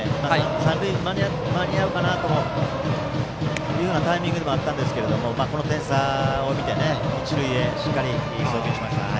三塁に間に合うかなというタイミングでもありましたがこの点差を見て一塁へしっかり送球しましたね。